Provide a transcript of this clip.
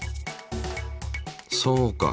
そうか。